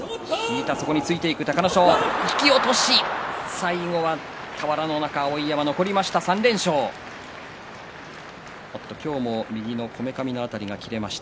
最後は碧山、残りました。